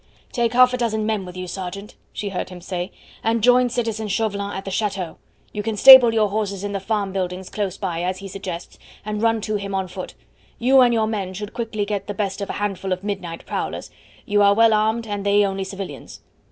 "Take half a dozen men with you, sergeant," she heard him say, "and join citizen Chauvelin at the chateau. You can stable your horses in the farm buildings close by, as he suggests and run to him on foot. You and your men should quickly get the best of a handful of midnight prowlers; you are well armed and they only civilians.